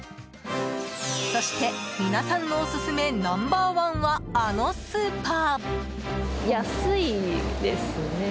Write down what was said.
そして皆さんのオススメナンバー１はあのスーパー。